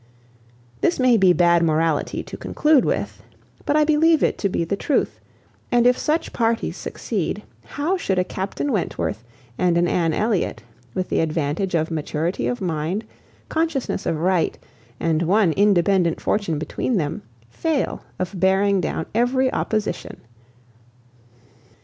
This may be bad morality to conclude with, but I believe it to be truth; and if such parties succeed, how should a Captain Wentworth and an Anne Elliot, with the advantage of maturity of mind, consciousness of right, and one independent fortune between them, fail of bearing down every opposition?